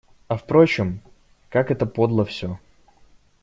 А впрочем, как это подло всё.